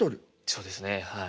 そうですねはい。